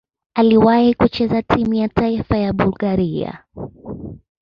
Aliwahi kucheza timu ya taifa ya Bulgaria.